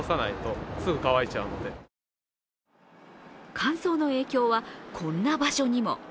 乾燥の影響はこんな場所にも。